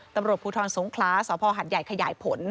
ตำรวจภูทรสงคลาสภหัดใหญ่ขยายผล